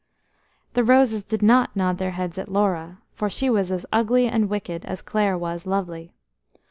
The roses did not nod their heads at Laura, for she was as ugly and wicked as Clare was lovely.